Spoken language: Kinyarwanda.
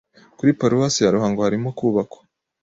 Kuri Paruwasi ya Ruhango harimo kubakwa